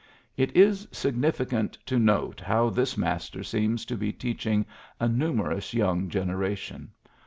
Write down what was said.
It is significant to note how this master seems to be teaching a numerous young generation.